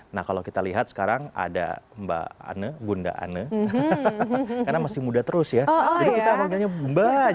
nah kalau kita lihat sekarang ada mbak ane bunda ane karena masih muda terus ya jadi kita panggilnya bumba